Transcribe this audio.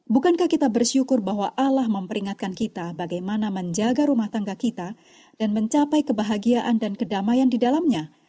bukankah kita bersyukur bahwa allah memperingatkan kita bagaimana menjaga rumah tangga kita dan mencapai kebahagiaan dan kedamaian di dalamnya